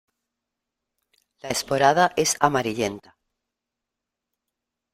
La esporada es amarillenta.